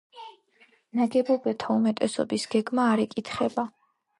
ნაგებობათა უმეტესობის გეგმა არ იკითხება.